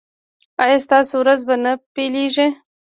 ایا ستاسو ورځ به نه پیلیږي؟